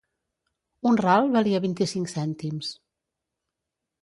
Un ral valia vint-i-cinc cèntims.